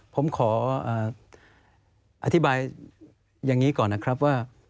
ผมขออธิบายอย่างนี้ก่อนนะครับว่า